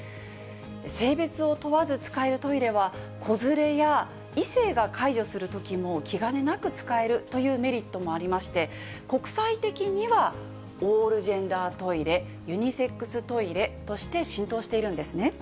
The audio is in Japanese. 性別を問わず使えるトイレは、子連れや異性が介助するときも気兼ねなく使えるというメリットもありまして、国際的にはオールジェンダートイレ、ユニセックストイレとして浸透しているんですね。